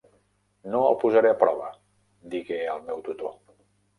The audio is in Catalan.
"No el posaré a prova", digué el meu tutor.